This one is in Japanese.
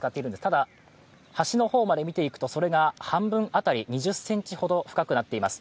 ただ、橋の方まで見ていくと、それが半分辺り、２０ｃｍほど深くなっています。